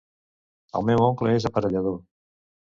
El meu oncle és aparellador